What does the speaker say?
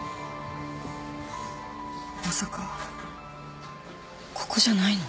まさかここじゃないの？